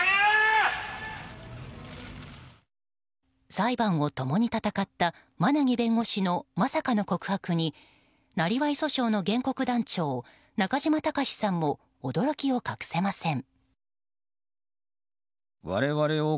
裁判を共に戦った馬奈木弁護士のまさかの告白に生業訴訟の原告団長中島孝さんも驚きを隠せません。